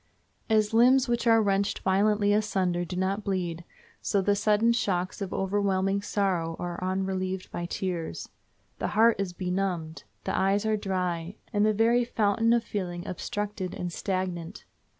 As limbs which are wrenched violently asunder do not bleed, so the sudden shocks of overwhelming sorrow are unrelieved by tears. The heart is benumbed. The eyes are dry, and the very fountain of feeling obstructed and stagnant.